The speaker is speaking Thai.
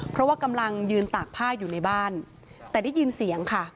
เพราะว่ากำลังยืนตากผ้าอยู่ในบ้านแต่ได้ยินเสียงค่ะ